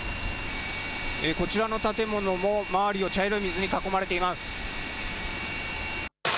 こちらの建物も周りを茶色い水に囲まれています。